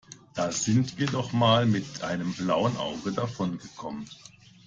Da sind wir noch mal mit einem blauen Auge davongekommen.